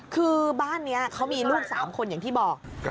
คือบ้านนี้เขามีลูก๓คนอย่างที่บอก